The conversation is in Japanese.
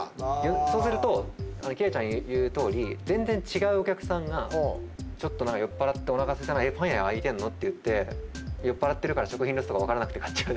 そうすると輝星ちゃん言うとおり全然違うお客さんがちょっと酔っ払っておなかすいたなパン屋開いてんの？って言って酔っ払ってるから食品ロスとか分からなくて買っちゃうとか。